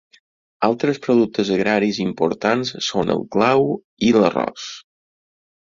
Altres productes agraris importants són el clau i l'arròs.